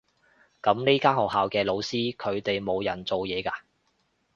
噉呢間學校嘅老師，佢哋冇人做嘢㗎？